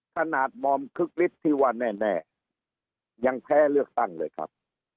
ขนาดมอมคึกฤทธิ์ที่ว่าแน่ยังแพ้เลือกตั้งเลยครับ